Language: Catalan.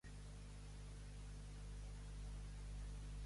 Arri, gos! Que tens tos?